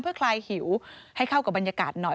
เพื่อคลายหิวให้เข้ากับบรรยากาศหน่อย